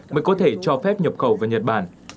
mới có thể cho phép nhập khẩu vào nhật bản